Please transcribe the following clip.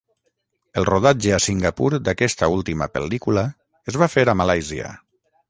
El rodatge a Singapur d'aquesta última pel·lícula es va fer a Malàisia.